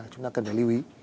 chúng ta cần phải lưu ý